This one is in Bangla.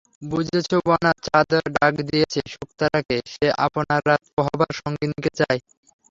বুঝেছ বন্যা, চাঁদ ডাক দিয়েছে শুকতারাকে, সে আপনার রাত-পোহাবার সঙ্গিনীকে চায়।